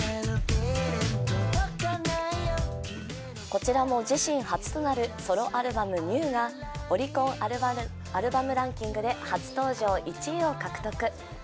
こちらも自身初となるソロアルバム「ＮＥＷＷＷ」がオリコンアルバムランキングで初登場１位を獲得。